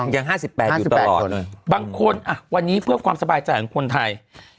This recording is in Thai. ๕๘อยู่ตลอดบางคนวันนี้เพื่อความสบายใจของคนไทย